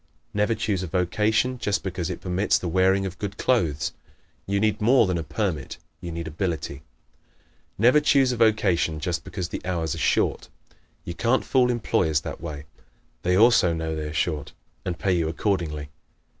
Never choose a vocation just because it permits the wearing of good clothes. You need more than a permit; you need ability. Never choose a vocation just because the hours are short. You can't fool employers that way. They also know they are short, and pay you accordingly.